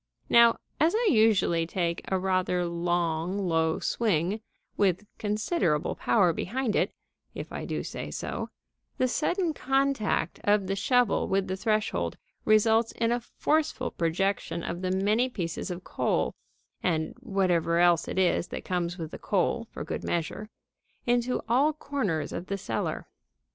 Now, as I usually take a rather long, low swing, with considerable power behind it (if I do say so), the sudden contact of the shovel with the threshold results in a forceful projection of the many pieces of coal (and whatever else it is that comes with the coal for good measure) into all corners of the cellar.